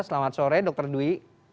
selamat sore dr dwi